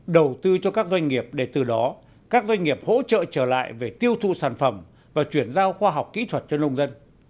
đầu tư cho các doanh nghiệp để từ đó các doanh nghiệp hỗ trợ trở lại về tiêu thụ sản phẩm và chuyển giao khoa học kỹ thuật cho nông dân